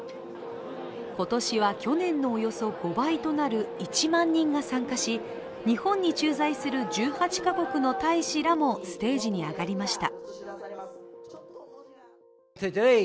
今年は去年のおよそ５倍となる１万人が参加し日本に駐在する１８か国の大使らもステージに上がりました。